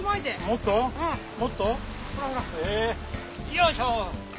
えよいしょ！